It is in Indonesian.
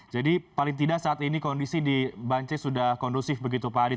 jadi paling tidak saat ini kondisi di bancis sudah kondusif begitu pak hadi